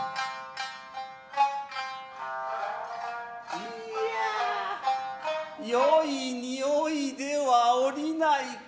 いやぁよい匂いではおりないか。